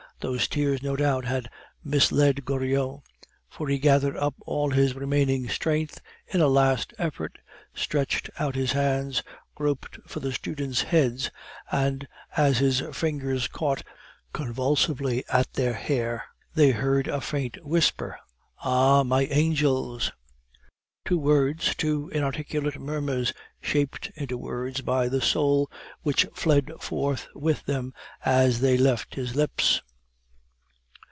Those tears, no doubt, had misled Goriot; for he gathered up all his remaining strength in a last effort, stretched out his hands, groped for the students' heads, and as his fingers caught convulsively at their hair, they heard a faint whisper: "Ah! my angels!" Two words, two inarticulate murmurs, shaped into words by the soul which fled forth with them as they left his lips.